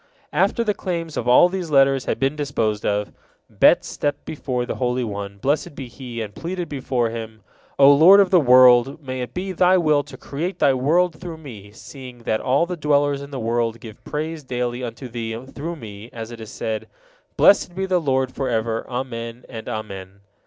After the claims of all these letters had been disposed of, Bet stepped before the Holy One, blessed be He, and pleaded before Him: "O Lord of the world! May it be Thy will to create Thy world through me, seeing that all the dwellers in the world give praise daily unto Thee through me, as it is said, 'Blessed be the Lord forever. Amen, and Amen.'"